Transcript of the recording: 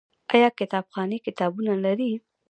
آیا کتابخانې کتابونه لري؟